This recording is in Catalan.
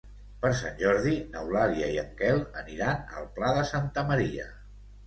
Per Sant Jordi n'Eulàlia i en Quel aniran al Pla de Santa Maria.